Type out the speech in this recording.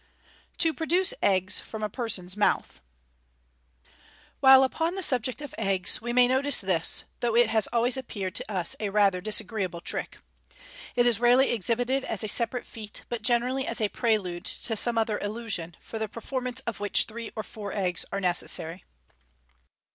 To Producb Eggs from a Person's Mouth. — While upon the subject of eggs, we may notice this, though it has always appeared to us a rather disagreeable trick. It is rarely exhibited as a separate feat, but generally as a prelude to some other illusion, for the perform ance of which three or four eggs are necessary.